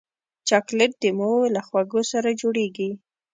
چاکلېټ د میوو له خوږو سره جوړېږي.